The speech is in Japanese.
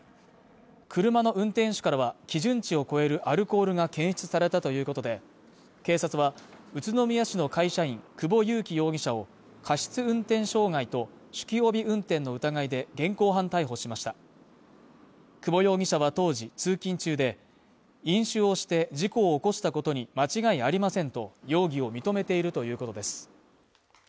車の運転手からは基準値を超えるアルコールが検出されたということで、警察は宇都宮市の会社員久保友希容疑者を過失運転傷害と酒気帯び運転の疑いで現行犯逮捕しました久保容疑者は当時、通勤中で、飲酒をして事故を起こしたことに間違いありませんと容疑を認めているということです。